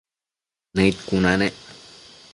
Nëid cuna nec